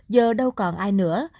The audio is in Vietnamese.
giờ đâu còn ai nữa